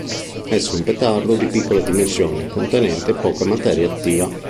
Esso è un petardo di piccole dimensioni contenente poca materia attiva.